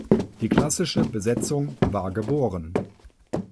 Die „klassische“ Besetzung war geboren.